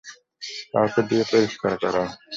কাউকে দিয়ে পরিষ্কার করাও।